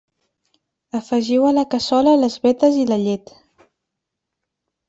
Afegiu a la cassola les vetes i la llet.